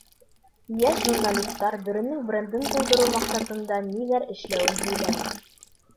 Йәш журналистар Бөрөнөң брендын булдырыу маҡсатында ниҙәр эшләүен һөйләне.